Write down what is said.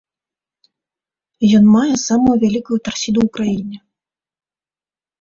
Ён мае самую вялікую тарсіду ў краіне.